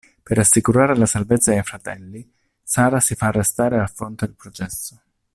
Per assicurare la salvezza ai fratelli, Sara si fa arrestare e affronta il processo.